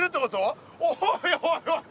おいおいおい